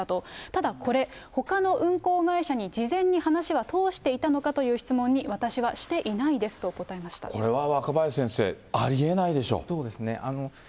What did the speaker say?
ただこれ、ほかの運航会社に事前に話は通していたのかという質問に、これは若林先生、ありえないそうですね。